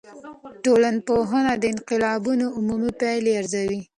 ټولنپوه د انقلابونو عمومي پایلي ارزوي.